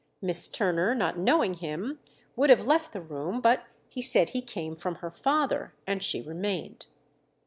Miss Turner, not knowing him, would have left the room, but he said he came from her father, and she remained.